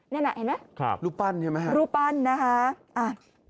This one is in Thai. นี่ไหมเห็นไหมรูปปั้นใช่ไหมฮะรูปปั้นนะคะอ่า